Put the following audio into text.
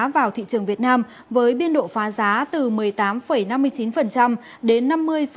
vào thị trường việt nam với biên độ phá giá từ một mươi tám năm mươi chín đến năm mươi